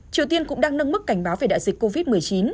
triều tiên cũng đang nâng mức cảnh báo về đại dịch covid một mươi chín